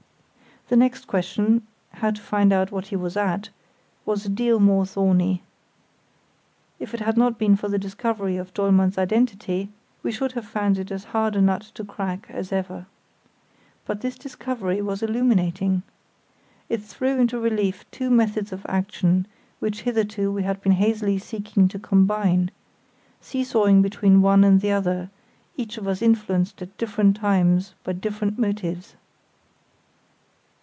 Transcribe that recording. The next question, how to find out what he was at, was a deal more thorny. If it had not been for the discovery of Dollmann's identity, we should have found it as hard a nut to crack as ever. But this discovery was illuminating. It threw into relief two methods of action which hitherto we had been hazily seeking to combine, seesawing between one and the other, each of us influenced at different times by different motives.